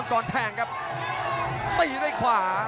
ก๋ั่งก์